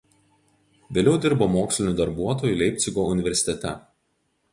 Vėliau dirbo moksliniu darbuotoju Leipcigo universitete.